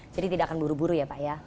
tidak akan buru buru ya pak ya